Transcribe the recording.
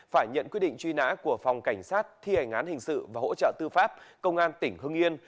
phải nhận quyết định truy nã của phòng cảnh sát thi hành án hình sự và hỗ trợ tư pháp công an tỉnh hưng yên